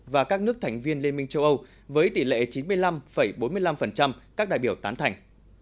và các nước thành viên liên minh châu âu với tỷ lệ chín mươi năm bốn mươi năm các đại biểu tán thành